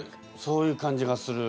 そういう感じがする。